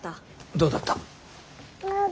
どうだった？